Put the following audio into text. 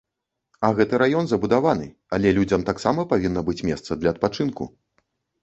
А гэты раён забудаваны, але людзям таксама павінна быць месца для адпачынку.